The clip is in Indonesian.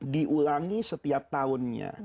diulangi setiap tahunnya